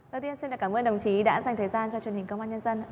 đầu tiên xin cảm ơn đồng chí đã dành thời gian cho truyền hình công an nhân dân